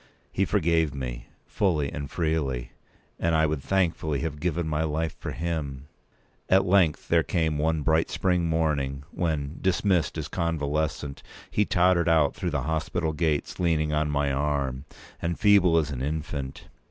He forgave me, fully and freely; and I would thankfully have given my life for him. At length there came one bright spring morning, when, dismissed as convalescent, he tottered out through the hospital gates, leaning on my arm, and feeble as an infant.